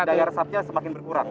karena daya resapnya semakin berkurang